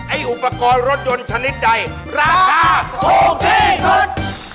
อุปกรณ์รถยนต์ชนิดใดราคาถูกที่สุด